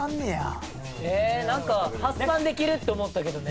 なんか発散できるって思ったけどね。